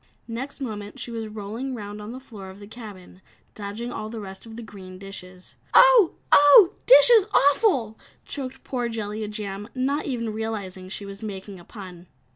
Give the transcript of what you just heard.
Next moment she was rolling round on the floor of the cabin, dodging all the rest of the green dishes. "Oh! Oh! Dishes awful!" choked poor Jellia Jam, not even realizing she was making a pun.